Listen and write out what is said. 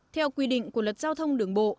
theo quy định của luật giao thông đường bộ